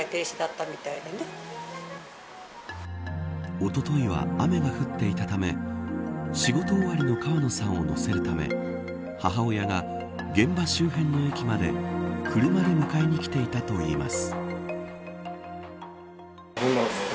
おとといは雨が降っていたため仕事終わりの川野さんを乗せるため母親が現場周辺の駅まで車で迎えに来ていたといいます。